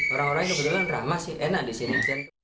orang orang ini benar benar ramah sih enak di sini